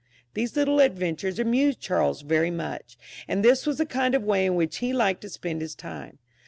These little adventures amused Charles very much, and this was the kind of way in which he liked to spend his time.